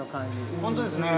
◆本当ですね。